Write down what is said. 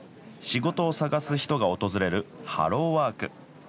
仕事を探す人が訪れるハローワーク。